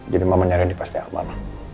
jadi mamanya randy pasti aman